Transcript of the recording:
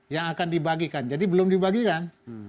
yang akan dibagikan jadi belum dibagikan